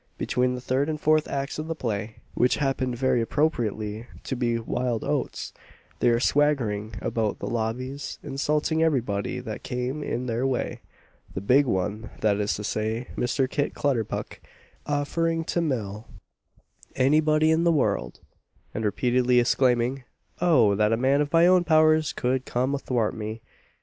Between the third and fourth acts of the play which happened very appropriately to be Wild Oats they were swaggering about the lobbies, insulting every body that came in their way; the "big one" that is to say, Mr. Kit Clutterbuck offering to mill "any body in the world," and repeatedly exclaiming "Oh! that a man of my own powers would come athwart me!"